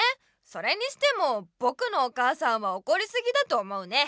それにしてもぼくのお母さんはおこりすぎだと思うね。